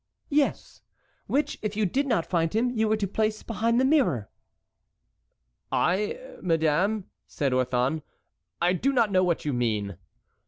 "Yes; which, if you did not find him, you were to place behind the mirror?" "I, madame," said Orthon, "I do not know what you mean."